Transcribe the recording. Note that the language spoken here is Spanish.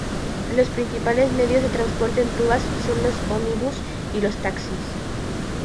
Los principales medios de transporte en Tubas son los ómnibus y los taxis.